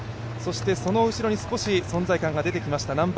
その後ろに少し存在感が出てきました